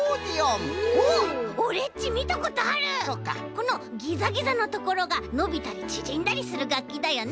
このギザギザのところがのびたりちぢんだりするがっきだよね。